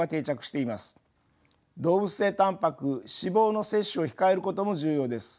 動物性たんぱく脂肪の摂取を控えることも重要です。